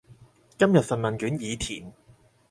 今日份問卷已填